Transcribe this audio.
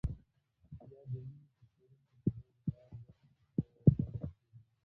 یا د وینې په سیروم کې په غیر فعال حالت کې وي.